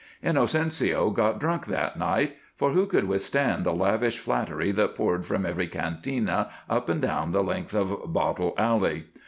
Inocencio got drunk that night for who could withstand the lavish flattery that poured from every cantina up and down the length of Bottle Alley?